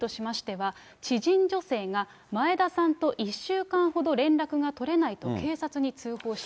発覚の経緯としましては、知人女性が前田さんと１週間ほど連絡が取れないと警察に通報した